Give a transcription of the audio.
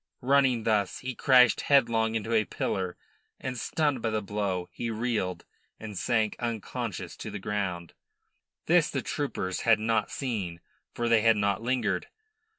Running thus, he crashed headlong into a pillar, and, stunned by the blow, he reeled and sank unconscious to the ground. This the troopers had not seen, for they had not lingered.